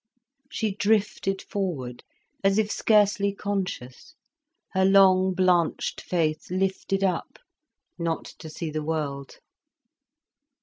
She drifted forward as if scarcely conscious, her long blanched face lifted up, not to see the world.